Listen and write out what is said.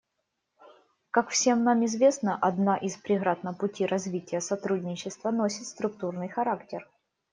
Как всем нам известно, одна из преград на пути развития сотрудничества носит структурный характер.